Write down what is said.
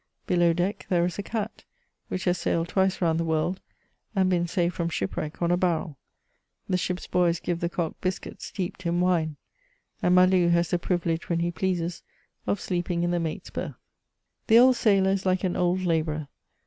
Below deck there is a cat, which has sailed twice round the world, and been saved from shipwreck on a barrel. The ship's boys give the cock biscuit steeped in wine, and Malou has the privilege when he pleases of sleeping in the mate*s berth. The old sailor is like an old labourer.